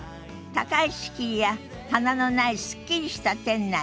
高い敷居や棚のないすっきりした店内。